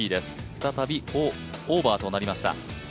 再び４オーバーとなりました。